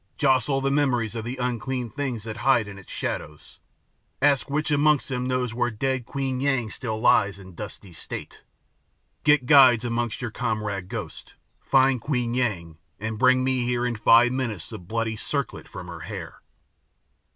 Jostle the memories of the unclean things that hide in its shadows; ask which amongst them knows where dead Queen Yang still lies in dusty state. Get guides amongst your comrade ghosts. Find Queen Yang, and bring me here in five minutes the bloody circlet from her hair."